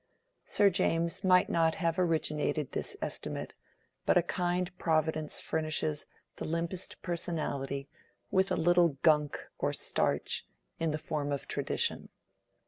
Sir James might not have originated this estimate; but a kind Providence furnishes the limpest personality with a little gum or starch in the form of tradition.